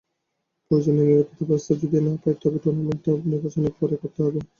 প্রয়োজনীয় নিরাপত্তাব্যবস্থা যদি না পাই, তবে টুর্নামেন্টটা নির্বাচনের পরেই করতে হবে।